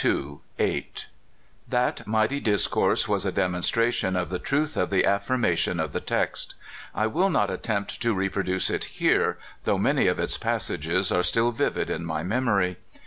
8. ) That mi^rhtv discourse was a demonstration of the truth of the afhrmation of the text. I will not at tempt to reproduce it here, though many of its passages are still vivid in my memory.